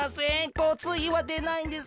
こうつうひはでないんです。